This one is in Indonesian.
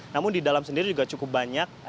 namun di dalam sendiri juga cukup banyak